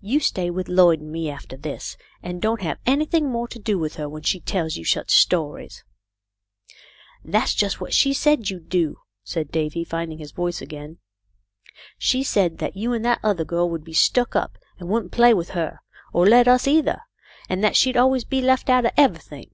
You stay with Lloyd and me, after this, and don't have anything more to do with her when she tells you such stories." "That's just what she said you'd do," said Davy, finding his voice again. " She said that you and that other girl would be stuck up and wouldn't play with her, or let us either, and that she'd always be left out of everything.